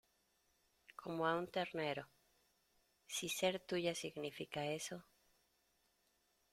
como a un ternero. si ser tuya significa eso ...